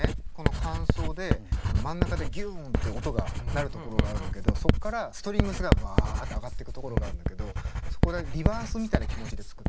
間奏で真ん中でギュンって音がなるところがあるんだけどそこからストリングスがバッと上がってくところがあるんだけどそこでリバースみたいな気持ちで作ったの音は。